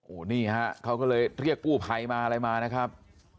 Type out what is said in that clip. โอ้โหนี่ฮะเขาก็เลยเรียกกู้ภัยมาอะไรมานะครับ